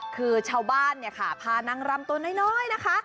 คือชาวบ้านเนี่ยค่ะพานางรำตัวน้อยนะคะ